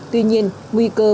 tuy nhiên nguy cơ bùng chạy